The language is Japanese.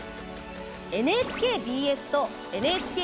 ＮＨＫＢＳとＮＨＫＢＳ